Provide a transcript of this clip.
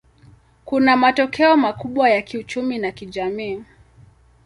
Kuna matokeo makubwa ya kiuchumi na kijamii.